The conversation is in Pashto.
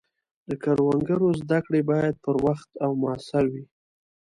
د کروندګرو زده کړې باید پر وخت او موثر وي.